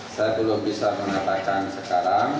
saya belum bisa mengatakan sekarang